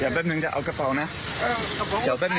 อ่าไม่เป็นไรไม่เป็นไร